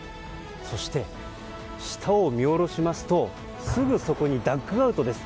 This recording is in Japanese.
そして、下を見下ろしますとすぐそこにダッグアウトです。